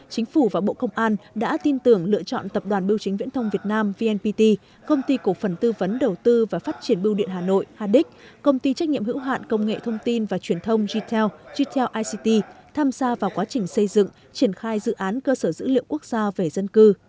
chính phủ và bộ công an đã tin tưởng lựa chọn tập đoàn bưu chính viễn thông việt nam vnpt công ty cổ phần tư vấn đầu tư và phát triển bưu điện hà nội hadic công ty trách nhiệm hữu hạn công nghệ thông tin và truyền thông getel ict tham gia vào quá trình xây dựng triển khai dự án cơ sở dữ liệu quốc gia về dân cư